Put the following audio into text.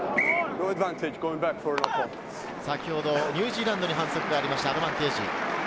先ほどニュージーランドに反則がありました、アドバンテージ。